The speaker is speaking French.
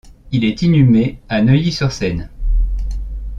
Il est inhumé à Neuilly-sur-Seine.